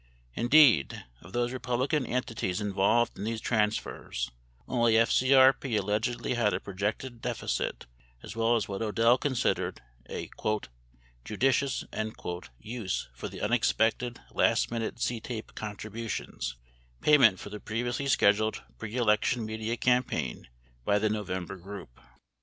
Indeed, of those Republican entities involved in these transfers only FCRP allegedly had a projected deficit, as well as what Odell considered a "judicious" use for the unexpected last minute CTAPE contributions — payment for the previously sched uled pre election media campaign by the November Group.